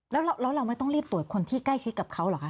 แล้วเราไม่ต้องรีบตรวจคนที่ใกล้ชิดกับเขาเหรอคะ